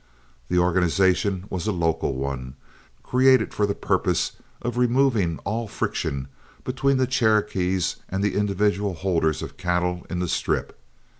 The organization was a local one, created for the purpose of removing all friction between the Cherokees and the individual holders of cattle in the Strip.